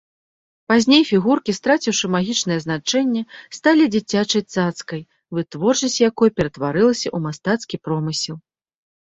Пазней фігуркі, страціўшы магічнае значэнне, сталі дзіцячай цацкай, вытворчасць якой ператварылася ў мастацкі промысел.